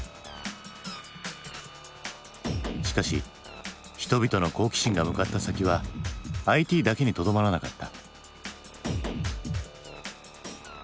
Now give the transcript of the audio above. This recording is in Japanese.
しかし人々の好奇心が向かった先はＩＴだけにとどまらなかった。